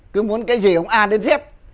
cứ muốn cái gì ông a đến z